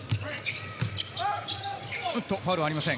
ファウルはありません。